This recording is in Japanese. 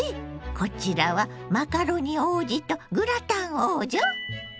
こちらはマカロニ王子とグラタン王女？